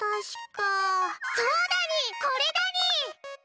そうだにぃこれだにぃ！